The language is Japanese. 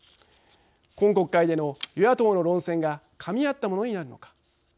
今国会での与野党の論戦がかみあったものになるのか